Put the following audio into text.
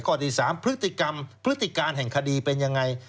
ข้อที่สามพฤติกรรมพฤติการแห่งคดีเป็นอย่างไร